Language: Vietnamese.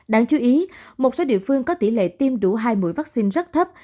đáng chú ý một số địa phương có tỷ lệ tiêm đủ hai mũi vaccine rất thấp